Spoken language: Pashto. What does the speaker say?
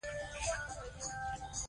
لوستې میندې د ماشوم پر احساساتو پوهېږي.